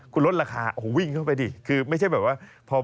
คุณลดราคาโอ้โหวิ่งเข้าไปดิคือไม่ใช่แบบว่าพอ